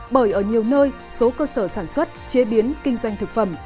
bởi ở nhiều nơi số cơ sở sản xuất chế biến kinh doanh thực phẩm